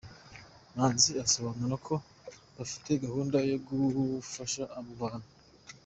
Manzi asobanura ko bafite gahunda yo gufasha abo bantu.